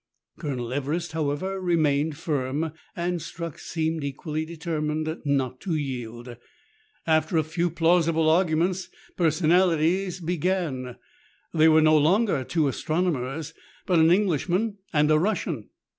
Colonel Everest, however, remained firm, and Strux seemed equally determined not to yield. After a few plausible arguments, personalities began : they were no longer two astronomers, but an Englishman and a Russian.